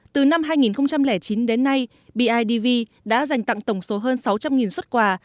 từ năm hai nghìn chín đến nay bidv đã dành tặng tổng số hơn sáu trăm linh xuất quà